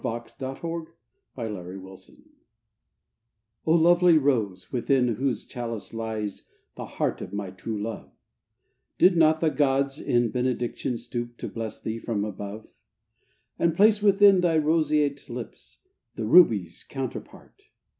DAY DREAMS HEART FLOWER O lovely rose Within whose chalice lies The heart of my true love, Did not the gods in benediction stoop To bless thee from above? And place within thy roseate lips The rubies counterpart.